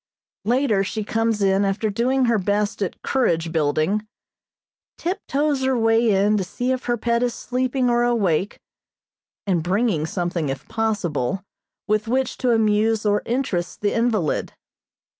Later she comes in after doing her best at courage building, tiptoes her way in to see if her pet is sleeping or awake, and bringing something if possible, with which to amuse or interest the invalid.